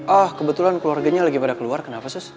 ah kebetulan keluarganya lagi pada keluar kenapa sus